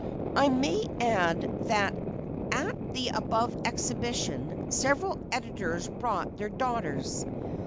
I may add that at the above exhibition several editors brought their daughters.